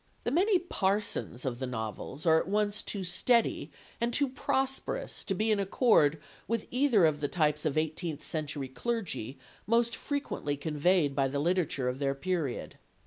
The many parsons of the novels are at once too steady and too prosperous to be in accord with either of the types of eighteenth century clergy most frequently conveyed by the literature of their period.